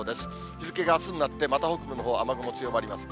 日付があすになって、また北部のほう、雨雲強まります。